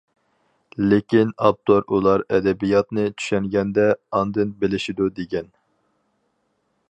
لېكىن ئاپتور ئۇلار ئەدەبىياتنى چۈشەنگەندە، ئاندىن بىلىشىدۇ دېگەن.